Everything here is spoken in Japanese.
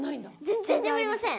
全然眠れません。